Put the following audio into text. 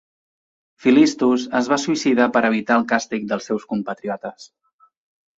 Philistus es va suïcidar per evitar el càstig dels seus compatriotes.